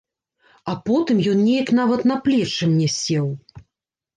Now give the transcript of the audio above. А потым ён неяк нават на плечы мне сеў.